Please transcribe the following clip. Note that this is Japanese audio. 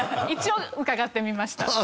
一応伺ってみました。